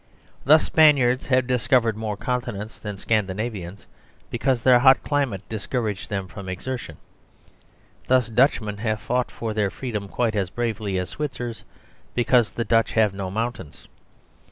Thus Spaniards have discovered more continents than Scandinavians because their hot climate discouraged them from exertion. Thus Dutchmen have fought for their freedom quite as bravely as Switzers because the Dutch have no mountains.